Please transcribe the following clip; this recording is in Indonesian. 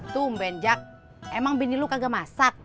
tumben jak emang bini lu kagak masak